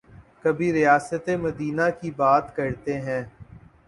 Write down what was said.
کبھی ریاست مدینہ کی بات کرتے ہیں۔